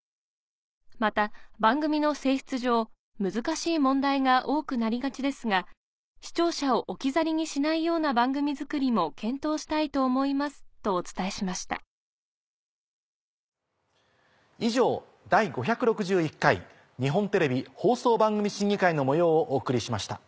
また番組の性質上難しい問題が多くなりがちですが視聴者を置き去りにしないような番組作りも検討したいと思います」とお伝えしました以上「第５６１回日本テレビ放送番組審議会」の模様をお送りしました。